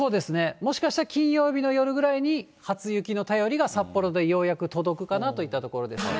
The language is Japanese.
もしかしたら金曜日の夜ぐらいに、初雪の便りが札幌でようやく届くかなといったところですね。